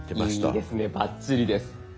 いいですねバッチリです。